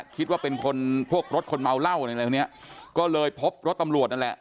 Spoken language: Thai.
คิดว่าเป็นคนพวกรถคนเมาเหล้าอะไรพวกเนี้ยก็เลยพบรถตำรวจนั่นแหละ